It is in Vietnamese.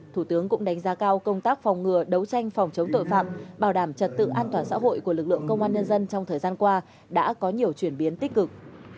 thủ tướng cũng đánh giá cao công tác phòng ngừa đấu tranh phòng chống tội phạm bảo đảm trật tự an toàn xã hội của lực lượng công an nhân dân trong thời gian qua đã có nhiều chuyển biến tích cực